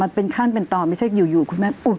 มันเป็นขั้นเป็นตอนไม่ใช่อยู่คุณแม่อุด